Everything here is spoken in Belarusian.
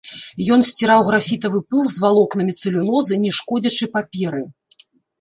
Ён сціраў графітавы пыл з валокнамі цэлюлозы не шкодзячы паперы.